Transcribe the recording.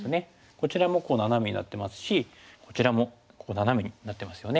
こちらもナナメになってますしこちらもここナナメになってますよね。